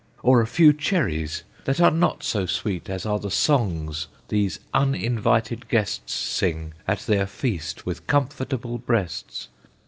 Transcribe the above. Or a few cherries, that are not so sweet As are the songs these uninvited guests Sing at their feast with comfortable breasts.